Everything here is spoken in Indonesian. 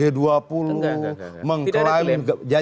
enggak enggak enggak